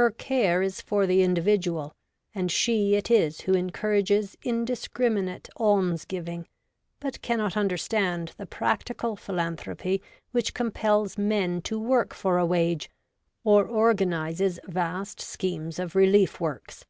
Her care is for the individual, and she it is who encourages indiscriminate almsgiving, but cannot understand the practical philanthropy which compels men to work for a wage, or organizes vast schemes of relief works.